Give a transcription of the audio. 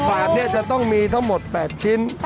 บาทจะต้องมีทั้งหมด๘ชิ้น